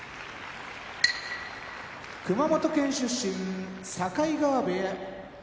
熊本県出身境川部屋